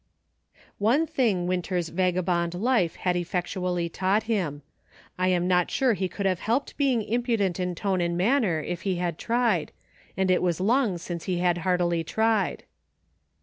One thing Winter's vagabond life had effec tually taught him. I am not sure he could have helped being impudent in tone and manner, if he had tried, and it was long since he had heartily tried.